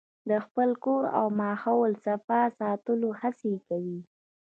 د خپل کور او ماحول صفا ساتلو هڅې کوي.